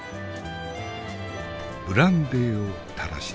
ブランデーを垂らして。